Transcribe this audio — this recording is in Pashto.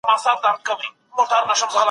انسان به د خپلو کړنو جواب وايي.